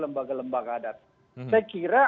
lembaga lembaga adat saya kira